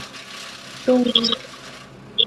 珠光月华螺为阿地螺科月华螺属的动物。